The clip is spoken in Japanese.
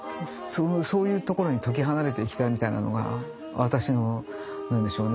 そういうところに解き放たれていきたいみたいなのが私の何でしょうね